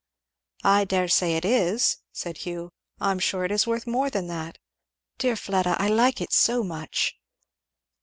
"I dare say it is," said Hugh; "I am sure it is worth more than that. Dear Fleda, I like it so much!"